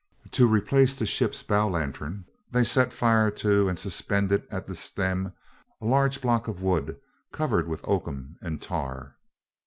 To replace the ship's bow lantern they set fire to, and suspended at the stem, a large block of wood covered with oakum and tar.